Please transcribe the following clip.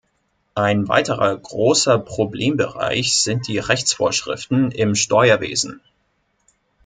Ein weiterer großer Problembereich sind die Rechtsvorschriften im Steuerwesen.